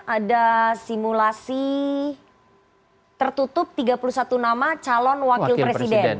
ada simulasi tertutup tiga puluh satu nama calon wakil presiden